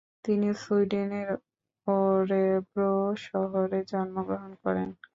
তিনি সুইডেনের ও্যরেব্রো শহরে জন্মগ্রহণ করেন।